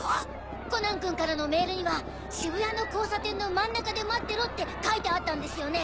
コナン君からのメールには渋谷の交差点の真ん中で待ってろって書いてあったんですよね？